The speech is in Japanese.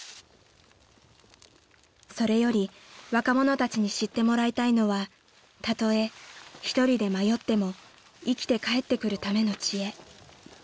［それより若者たちに知ってもらいたいのはたとえ１人で迷っても生きて帰ってくるための知恵］